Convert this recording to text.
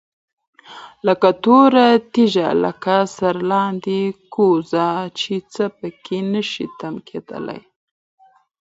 لكه توره تيږه، لكه سرلاندي كوزه چي څه په كي نشي تم كېدى